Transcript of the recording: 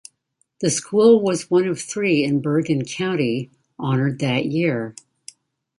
The school was one of three in Bergen County honored that year.